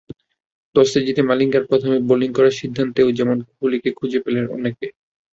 টসে জিতে মালিঙ্গার প্রথমে বোলিং করার সিদ্ধান্তেও যেমন কোহলিকে খুঁজে পেলেন অনেকে।